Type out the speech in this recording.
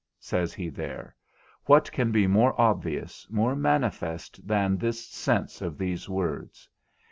_ says he there, what can be more obvious, more manifest than this sense of these words?